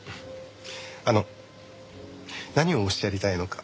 あの何をおっしゃりたいのか。